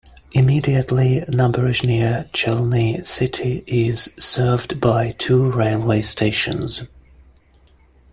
Immediately Naberezhnye Chelny city is served by two railway stations.